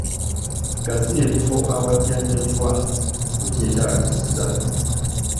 Gaziya ebifo awajjanjabirwa we kyetaagisiza.